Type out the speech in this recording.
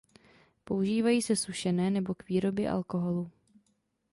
Používají se sušené nebo k výrobě alkoholu.